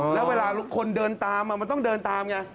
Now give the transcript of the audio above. แล้วเวลาคนเดินตามมันต้องเดินตามไง